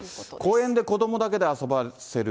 公園で子どもだけで遊ばせる。